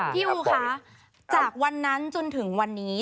พี่อูคะจากวันนั้นจนถึงวันนี้